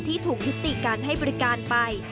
ที่ถูกยุติการให้บริการไป